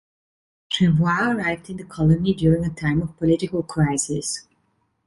Jervois arrived in the colony during a time of political crisis.